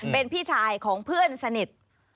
เป็นพี่ชายของเพื่อนสนิท